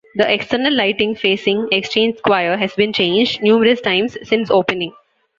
The external lighting facing Exchange Square has been changed numerous times since opening.